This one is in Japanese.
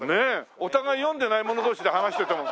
お互い読んでない者同士で話してても。